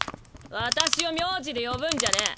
私を名字で呼ぶんじゃねぇ。